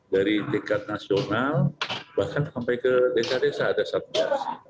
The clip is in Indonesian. dari tingkat nasional bahkan sampai ke desa desa ada satgas